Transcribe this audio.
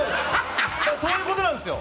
そういうことなんです。